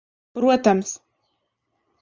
Protams.